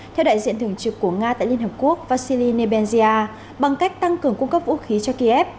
theo đại diện thường trực của nga tại liên hợp quốc vasyly nebensia bằng cách tăng cường cung cấp vũ khí cho kiev